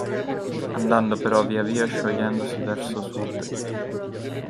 Andando però via via sciogliendosi verso sud.